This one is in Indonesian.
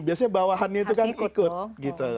biasanya bawahannya itu kan ikut gitu